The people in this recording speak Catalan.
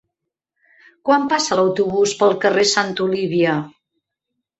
Quan passa l'autobús pel carrer Santa Olívia?